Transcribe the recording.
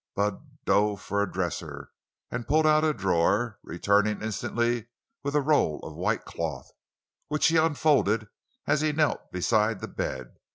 Bud dove for a dresser and pulled out a drawer, returning instantly with a roll of white cloth, which he unfolded as he knelt beside the bed.